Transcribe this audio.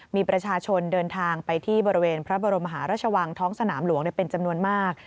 มีประชาชนเดินทางไปที่บริเวณพระบรมหาราชวังท้องสนามหลวงเป็นจำนวนมาก